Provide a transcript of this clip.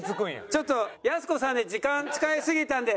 ちょっとやす子さんで時間使いすぎたんで。